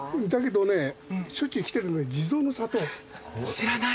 知らない？